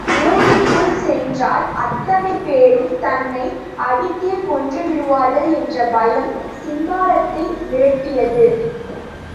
ஊருக்குள் சென்றால், அத்தனை பேரும் தன்னை அடித்தே கொன்றுவிடுவார்கள் என்ற பயம் சிங்காரத்தை மிரட்டியது.